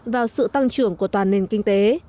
vào sự tăng trưởng của toàn nền kinh tế